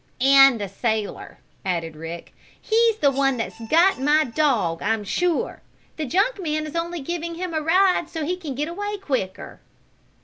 "And the sailor," added Rick, "he's the one that's got my dog, I'm sure. The junk man is only giving him a ride so he can get away quicker."